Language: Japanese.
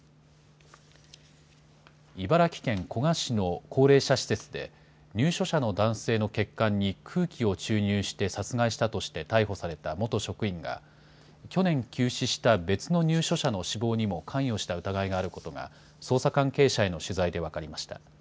茨城県古河市の高齢者施設で、入所者の男性の血管に空気を注入して殺害したとして逮捕された元職員が、去年急死した別の入所者の死亡にも関与した疑いがあることが、捜査関係者への取材で分かりました。